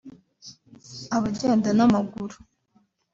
Abagenda n’amaguru